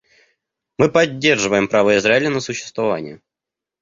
Мы поддерживаем право Израиля на существование.